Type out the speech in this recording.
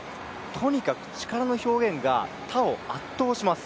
とにかく力の表現が他を圧倒します。